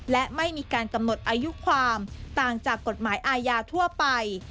และไม่มีการกำหนดอายุความต่างจากกฎหมายอาญาทั่วไป